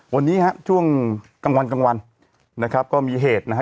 วันนี้ฮะช่วงกลางวันกลางวันนะครับก็มีเหตุนะฮะ